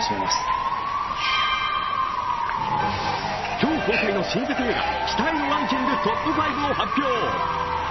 今日公開の新作映画期待度ランキングトップ５を発表。